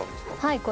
はい。